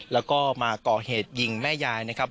แล้วก็มาก่อเหตุยิงแม่ยายนะครับ